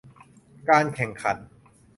การแข่งขัน